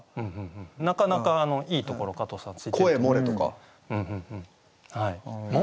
なかなかいいところ加藤さんついてきますね。